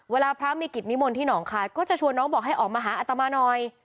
เวลาพระมีกิจนิมนต์ที่หนองคายก็จะชวนน้องบอกให้ออกมาหาอัตมาหน่อย